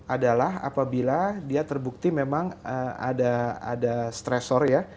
adalah apabila dia terbukti memang ada stressor